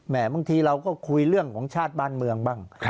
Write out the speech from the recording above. บางทีเราก็คุยเรื่องของชาติบ้านเมืองบ้าง